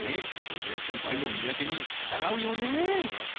当然先輩の三宅に従うよね？